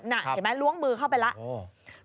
เห็นไหมล้วงมือเข้าไปแล้ว